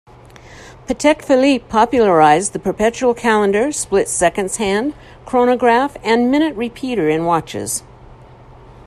Patek Philippe popularized the perpetual calendar, split-seconds hand, chronograph, and minute repeater in watches.